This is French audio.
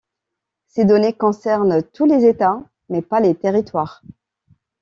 Ces données concernent tous les États, mais pas les territoires.